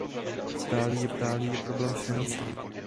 Stálý je problém s financemi.